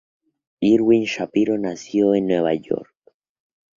Irwin Shapiro nació en Nueva York.